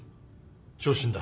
昇進だ。